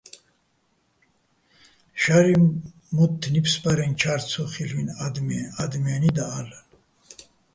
შარიჼ მოთთ ნიფსბარეჼ ჩა́რ ცო ხილ'უჲნი̆ ა́დმეჼ ადმიენი́ და, ა́ლ'ალე̆!